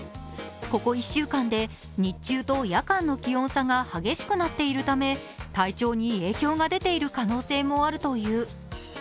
ここ１週間で日中と夜間の気温差が激しくなっているため体調に影響が出ている可能性もあるという。